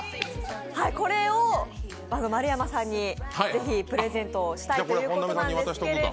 これを丸山さんにぜひプレゼント指定ということなんですけど。